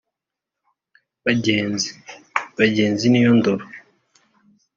Bagenzi (Bagenzi niyo ndoro